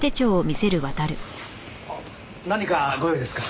何かご用ですか？